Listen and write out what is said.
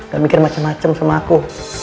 gak mikir macem macem sama aku